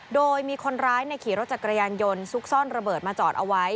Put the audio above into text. โดยมีคนร้ายขี่รถจักรยานยนต์ซุกซ่อนระเบิดมาจอดเอาไว้